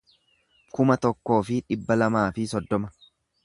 kuma tokkoo fi dhibba lamaa fi soddoma